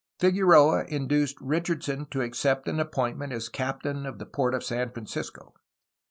Figueroa induced Richardson to accept an appointment as captain of the port of San Francisco.